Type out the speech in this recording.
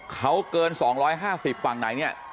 เขาเกิน๒๕๐ฝั่งไหนเนี่ย